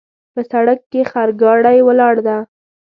په سړک کې خرګاډۍ ولاړ ده